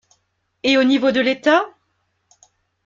Et au niveau de l’État?